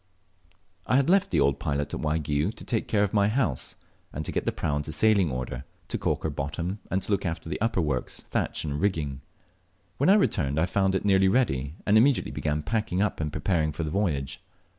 I HAD left the old pilot at Waigiou to take care of my house and to get the prau into sailing order to caulk her bottom, and to look after the upper works, thatch, and ringing. When I returned I found it nearly ready, and immediately began packing up and preparing for the voyage.